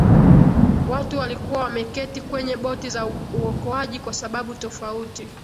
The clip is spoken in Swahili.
watu walikuwa wameketi kwenye boti za uokoaji kwa sababu tofauti